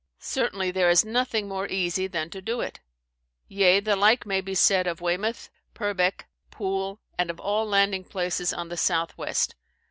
Certainly there is nothing more easy than to do it. Yea, the like may be said of Weymouth, Purbeck, Poole, and of all landing places on the south west.